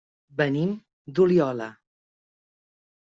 Venim d'Oliola.